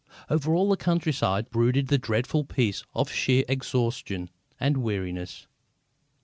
Over all the countryside brooded the dreadful peace of sheer exhaustion and weariness.